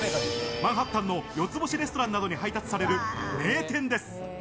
マンハッタンの四つ星レストランなどに配達される名店です。